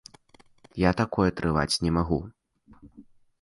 Я такое трываць не магу.